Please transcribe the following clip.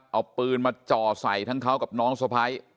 เอาปืนมาจ่อใส่ทั้งเขากับน้องสะพ้าย